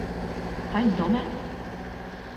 睇唔到咩？